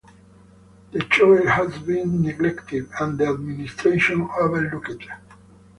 The choir had been neglected and the administration overlooked.